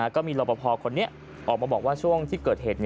ก็มีรอปภคนนี้ออกมาบอกว่าช่วงที่เกิดเหตุ